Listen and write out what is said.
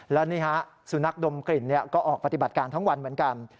และนี่ฮะสุนัขดมกลิ่นก็ออกปฏิบัติการทั้งวันเหมือนกัน